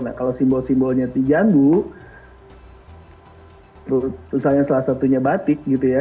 nah kalau simbol simbolnya diganggu misalnya salah satunya batik gitu ya